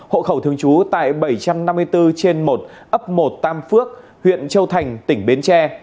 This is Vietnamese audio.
hộ khẩu thường trú tại bảy trăm năm mươi bốn trên một ấp một tam phước huyện châu thành tỉnh bến tre